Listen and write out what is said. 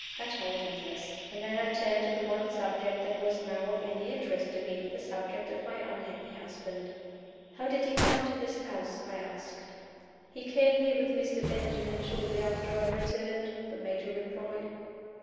I told him this. And then I turned to the one subject that was now of any interest to me the subject of my unhappy husband. "How did he come to this house?" I asked. "He came here with Mr. Benjamin shortly after I returned," the Major replied.